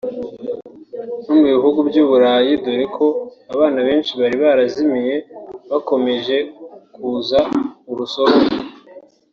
no mu bihugu by’Uburayi dore ko abana benshi bari barazimiye bakomeje kuza urusorongo